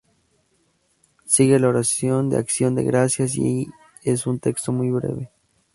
Sigue a La oración de Acción de Gracias y es un texto muy breve.